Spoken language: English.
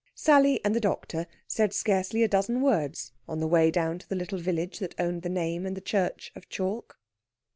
Sally and the doctor said scarcely a dozen words on the way down to the little village that owned the name and the church of Chalke.